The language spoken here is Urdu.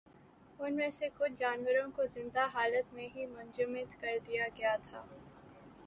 ان میں سے کچھ جانوروں کو زندہ حالت میں ہی منجمد کردیا گیا تھا۔